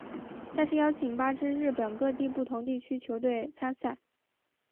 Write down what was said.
赛事邀请八支日本各地不同地区球队参赛。